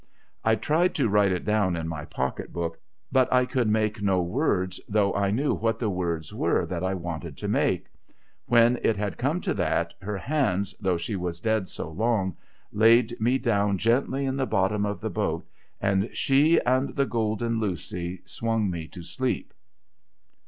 I tried to write it down in my pocket book, but could make no words, though I knew what the words were that I wanted to make. When it had come to that, her hands — though she was dead so long — laid 136 THE WRECK OF THE GOLDEN iMARY mc down gently in the bottom of the boat, and she and the Golden Lucy swung mc to sleep.